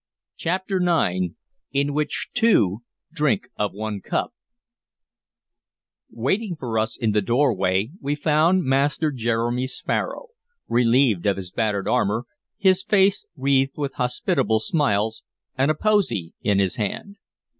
CHAPTER IX IN WHICH TWO DRINK OF ONE CUP WAITING for us in the doorway we found Master Jeremy Sparrow, relieved of his battered armor, his face wreathed with hospitable smiles, and a posy in his hand.